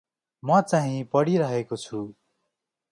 म चाहिँ पढिरहेको छु ।